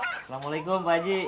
assalamualaikum pak haji